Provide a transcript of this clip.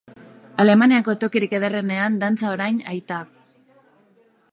Alemaniako tokirik ederrenean datza orain Aita.